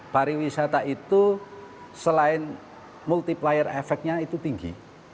pariwisata itu selain multi player efeknya itu tinggi